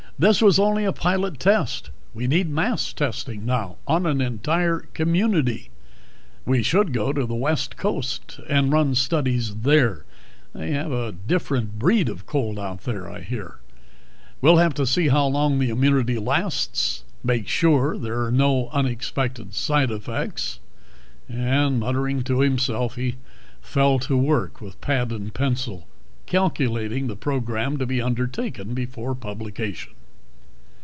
"This was only a pilot test. We need mass testing now, on an entire community. We should go to the West Coast and run studies there they have a different breed of cold out there, I hear. We'll have to see how long the immunity lasts, make sure there are no unexpected side effects...." And, muttering to himself, he fell to work with pad and pencil, calculating the program to be undertaken before publication.